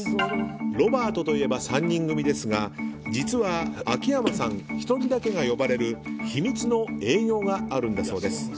ロバートといえば３人組ですが実は秋山さん１人だけが呼ばれる秘密の営業があるんだそうです。